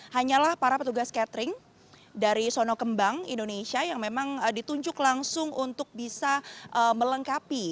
hanyalah para petugas catering dari sono kembang indonesia yang memang ditunjuk langsung untuk bisa melengkapi